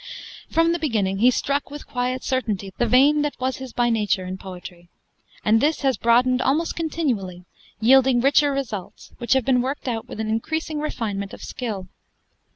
From the beginning he struck with quiet certainty the vein that was his by nature in poetry; and this has broadened almost continually, yielding richer results, which have been worked out with an increasing refinement of skill.